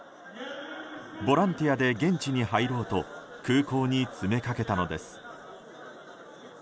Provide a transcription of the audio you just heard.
ボランティアで現地に入ろうと空港に詰めかけたのです。